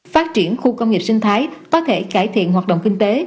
phát triển khu công nghiệp sinh thái có thể cải thiện hoạt động kinh tế